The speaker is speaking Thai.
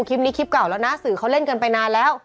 คลิปเก่าแล้วนะสื่อเขาเล่นกันไปนานแล้ว